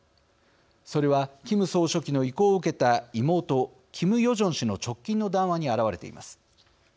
それはキム総書記の意向を受けた妹、キム・ヨジョン氏の直近の談話に表れています。